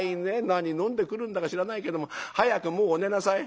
何飲んでくるんだか知らないけど早くもうお寝なさい」。